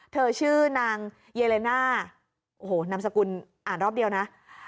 เธอชื่อนางเยเลน่านามสกุลอ่านรอบเดียวนะ